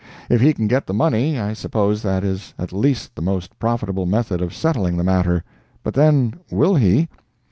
If he can get the money, I suppose that is at least the most profitable method of settling the matter. But then, will he?